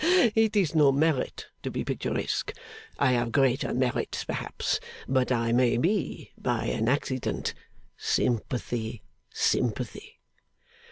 It is no merit to be picturesque I have greater merits, perhaps but I may be, by an accident. Sympathy, sympathy!